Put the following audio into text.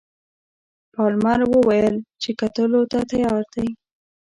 پالمر وویل چې کتلو ته تیار دی.